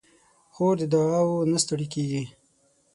خور د دعاوو نه ستړې کېږي.